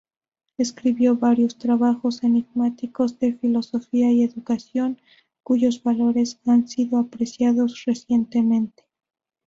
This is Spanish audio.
Escribió varios trabajos enigmáticos de filosofía y educación, cuyos valores han sido apreciados recientemente.